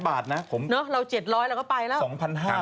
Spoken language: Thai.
๒๕๐๐บาทผมก็เริ่มวิ่ง